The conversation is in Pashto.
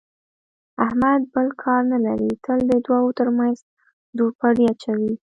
احمد بل کار نه لري، تل د دوو ترمنځ دوپړې اچوي.